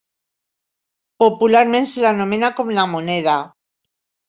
Popularment se l'anomena com La Moneda.